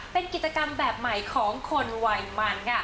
เป็นกิจกรรมแบบใหม่ของคนวัยมันค่ะ